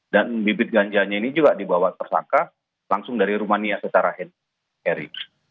dan bibit ganjanya ini juga dibawa tersangka langsung dari rumania secara hand carry